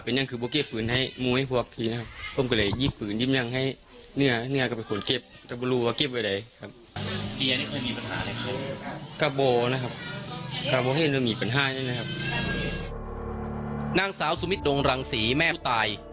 นางสาวสุมิตดงรังศรีแม่ตาย